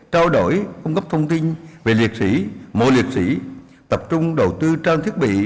trao đổi cung cấp thông tin về liệt sĩ mộ liệt sĩ tập trung đầu tư trang thiết bị